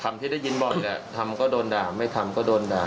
ที่ได้ยินบ่อยเนี่ยทำก็โดนด่าไม่ทำก็โดนด่า